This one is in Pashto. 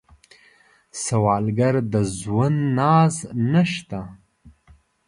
سوالګر د ژوند ناز نشته